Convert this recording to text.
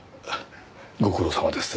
ご苦労さまです。